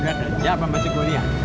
udah kerja apa masih kuliah